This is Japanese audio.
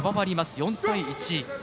４対１。